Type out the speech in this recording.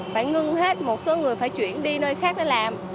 phải ngưng hết một số người phải chuyển đi nơi khác để làm